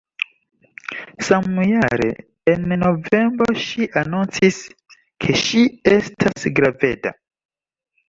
Samjare, en novembro ŝi anoncis, ke ŝi estas graveda.